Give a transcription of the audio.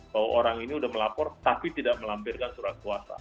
bahwa orang ini sudah melapor tapi tidak melampirkan surat kuasa